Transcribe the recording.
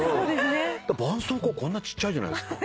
ばんそうこうこんなちっちゃいじゃない。